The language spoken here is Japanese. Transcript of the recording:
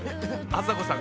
あさこさん